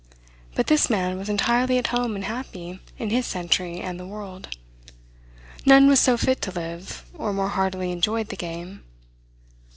But this man was entirely at home and happy in his century and the world. None was so fit to live, or more heartily enjoyed the game.